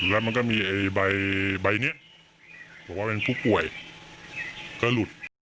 แล้วมันก็มีใบนี้บอกว่าเป็นผู้ป่วยก็หลุด